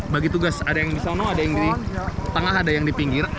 bagi tugas ada yang di sana ada yang di tengah ada yang di pinggir